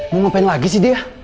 mau ngapain lagi sih dia